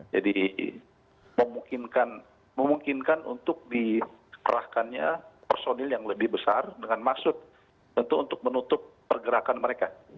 jadi memungkinkan untuk dikerahkannya personil yang lebih besar dengan maksud untuk menutup pergerakan mereka